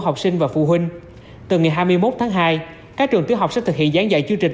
học sinh và phụ huynh từ ngày hai mươi một tháng hai các trường tiểu học sẽ thực hiện gián dạy chương trình